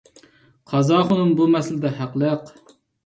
قازاخۇنۇم بۇ مەسىلىدە ھەقلىق.